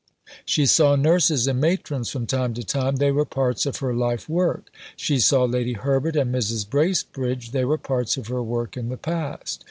She saw nurses and matrons from time to time: they were parts of her life work. She saw Lady Herbert and Mrs. Bracebridge: they were parts of her work in the past.